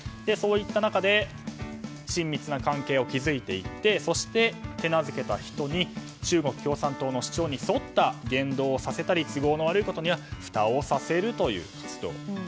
そういった中で親密な関係を築いていってそして、手なずけた人に中国共産党の主張に沿った言動をさせたり都合の悪いことにはふたをさせるという活動。